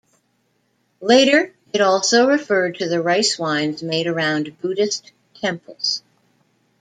Later, it also referred to the rice wines made around Buddhist temples.